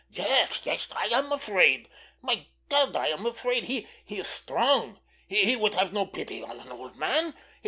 "Yes, yes, I am afraid! My God, I am afraid! He is strong. He would have no pity on an old man.